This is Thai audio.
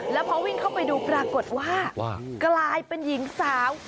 แล้วพอวิ่งเข้าไปดูปรากฏว่ากลายเป็นหญิงสาว